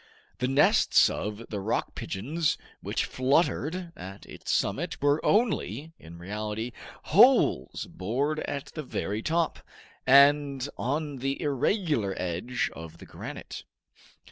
The nests of the rock pigeons which fluttered at its summit were only, in reality, holes bored at the very top, and on the irregular edge of the granite.